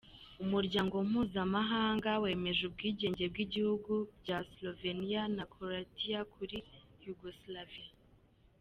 Umuryango mpuzamahanga wemeje ubwigenge bw’ibihugu bya Slovenia na Croatia kuri Yugoslavia.